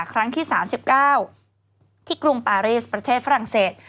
ครั้งที่๓๙ที่กรุงปารีสประเทศฝรั่งเศส